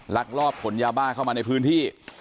ลักลอบขนยาบ้าเข้ามาในพื้นที่